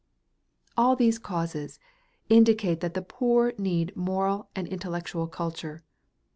All these causes indicate that the poor need moral and intellectual culture.